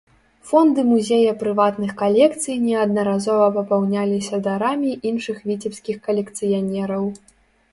Фонды музея прыватных калекцый неаднаразова папаўняліся дарамі іншых віцебскіх калекцыянераў.